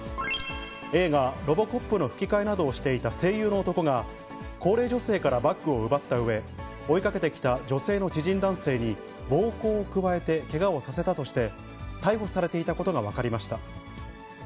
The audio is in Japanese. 映画、ロボコップの吹き替えなどをしていた声優の男が、高齢女性からバッグを奪ったうえ、追いかけてきた女性の知人男性に暴行を加えて、けがをさせたとして逮捕されていたことが分かりました。